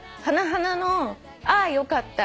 ＊花の『あよかった』